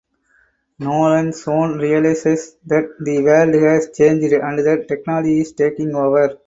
Nolan soon realizes that the world has changed and that technology is taking over.